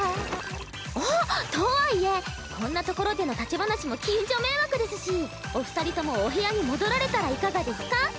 あっとはいえこんな所での立ち話も近所迷惑ですしお二人ともお部屋に戻られたらいかがですか？